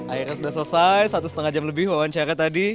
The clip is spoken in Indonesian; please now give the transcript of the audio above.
akhirnya sudah selesai satu setengah jam lebih wawancara tadi